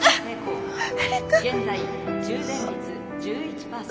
「現在充電率１１％。